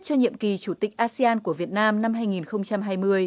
cho nhiệm kỳ chủ tịch asean của việt nam năm hai nghìn hai mươi